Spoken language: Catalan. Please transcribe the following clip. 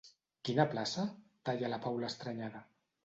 Quina plaça? –talla la Paula estranyada.